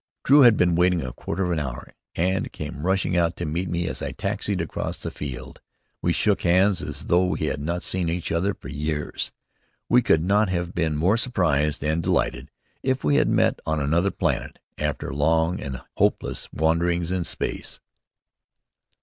Drew had been waiting a quarter of an hour, and came rushing out to meet me as I taxied across the field. We shook hands as though we had not seen each other for years. We could not have been more surprised and delighted if we had met on another planet after long and hopeless wanderings in space.